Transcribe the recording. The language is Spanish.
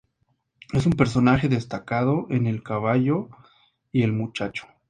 Es un personaje destacado en "El caballo y el muchacho".